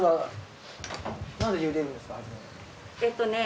えっとね